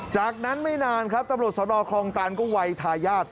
จากนั้นไม่นานครับตำรวจสนคลองตันก็วัยทายาท